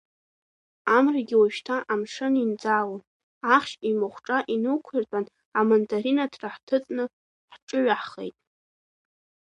Амрагьы уажәшьҭа амшын инӡаалон, ахьшь имахәҿа инықәиртәан, амандаринаҭра ҳҭыҵны ҳҿыҩаҳхеит.